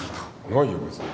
ないよ別に。